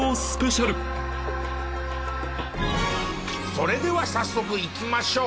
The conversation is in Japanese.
それでは早速いきましょう。